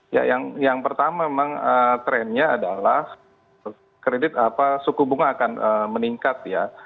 ya yang pertama memang trennya adalah kredit apa suku bunga akan meningkat ya